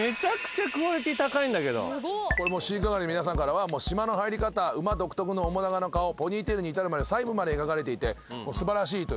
これ飼育係の皆さんからはしまの入り方馬独特の面長な顔ポニーテールに至るまで細部まで描かれていて素晴らしいという。